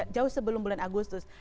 jauh sebelum bulan agustus